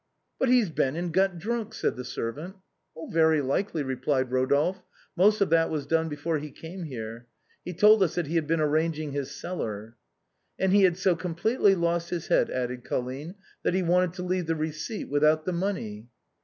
" But he's been and got drunk," said the servant. " Very likely," replied Rodolphe ;" most of that was done before he came here. He told us that he had been arranging his cellar." " And he had so completely lost his head," added Colline, " that he wanted to leave the receipt without the money."